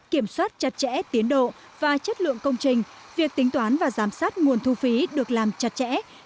kiểm soát chặt chẽ tiến độ và chất lượng công trình việc tính toán và giám sát nguồn thu phí được làm chặt chẽ